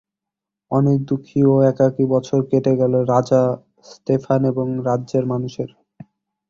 অনেক দুঃখী ও একাকী বছর কেটে গেলো রাজা স্টেফান এবং রাজ্যের মানুষের।